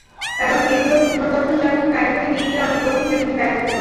কারণ, এগুলোর পুনর্গঠন যেমন কারিগরি দিক দিয়ে অনেক কঠিন, তেমনি ব্যয়বহুলও।